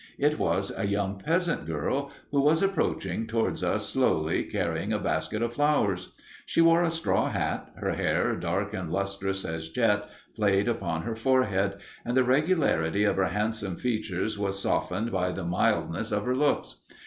It was a young peasant girl, who was approaching towards us slowly, carrying a basket of flowers. She wore a straw hat; her hair, dark and lustrous as jet, played upon her forehead; and the regularity of her handsome features was softened by the mildness of her looks.